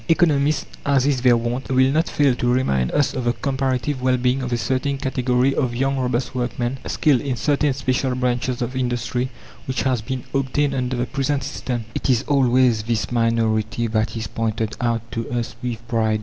Economists, as is their wont, will not fail to remind us of the comparative well being of a certain category of young robust workmen, skilled in certain special branches of industry which has been obtained under the present system. It is always this minority that is pointed out to us with pride.